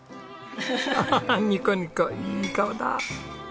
ハハハッニコニコいい顔だあ。